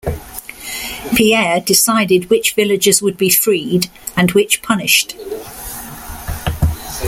Pierre decided which villagers would be freed and which punished.